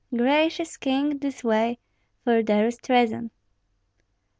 Gracious king, this way, for there is treason!"